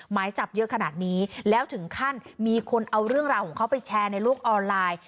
หมายจับเยอะขนาดนี้แล้วถึงขั้นมีคนเอาเรื่องราวของเขาไปแชร์ในโลกออนไลน์